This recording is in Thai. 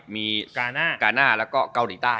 มีกาน่าแล้วก็เกาหลีใต้